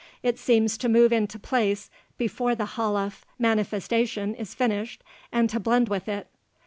It seems to move into place before the Halaf manifestation is finished, and to blend with it.